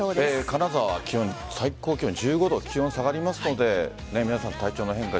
金沢は最高気温１５度気温下がりますので皆さん体調の変化